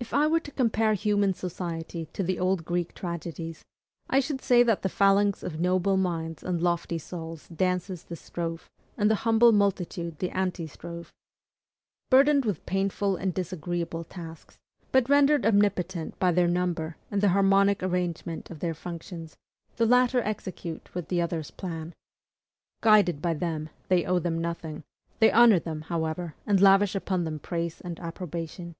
If I were to compare human society to the old Greek tragedies, I should say that the phalanx of noble minds and lofty souls dances the strophe, and the humble multitude the antistrophe. Burdened with painful and disagreeable tasks, but rendered omnipotent by their number and the harmonic arrangement of their functions, the latter execute what the others plan. Guided by them, they owe them nothing; they honor them, however, and lavish upon them praise and approbation.